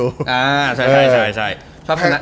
ใช่